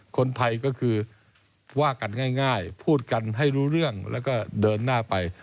คนไทยก็คือว่ากันง่ายพูดกันให้รู้เรื่องแล้วก็เดินหน้าไป